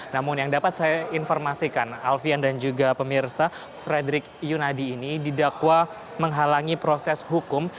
namun yang dapat saya informasikan alfian dan juga pemirsa frederick yunadi ini didakwa menghalangi proses hukum